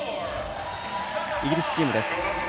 イギリスチームです。